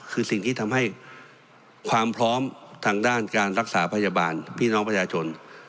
คือสิ่งที่ทำให้ความพร้อมทางด้านการรักษาพยาบาลพี่น้องประชาชน